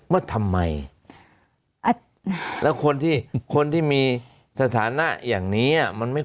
ว่าทำไม